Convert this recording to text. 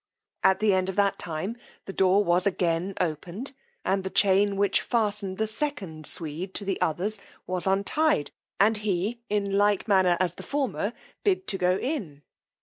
At the end of that time the door was again opened, and the chain which fastened the second Swede to the others, was untied, and he, in like manner as the former, bid to go in.